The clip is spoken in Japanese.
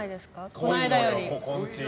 この間より。